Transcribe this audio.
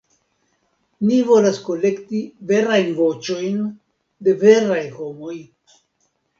Ni volas kolekti verajn voĉojn de veraj homoj.